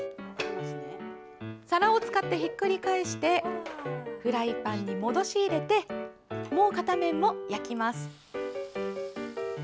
皿を使ってひっくり返してフライパンに戻し入れてもう片面も焼きます。